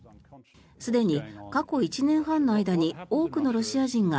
すでに過去１年半の間に多くのロシア人が